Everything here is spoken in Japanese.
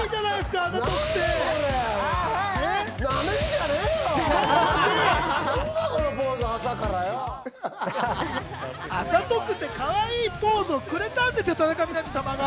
あざとくて、かわいいポーズをくれたんですよ、田中みな実様が。